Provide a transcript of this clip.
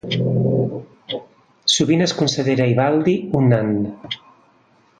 Sovint es considera Ivaldi un nan.